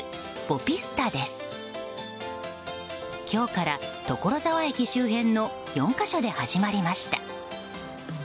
今日から所沢駅周辺の４か所で始まりました。